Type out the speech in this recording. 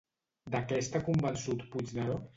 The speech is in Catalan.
De què està convençut Puigneró?